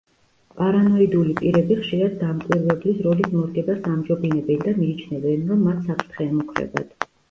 პარანოიდული პირები ხშირად დამკვირვებლის როლის მორგებას ამჯობინებენ და მიიჩნევენ, რომ მათ საფრთხე ემუქრებათ.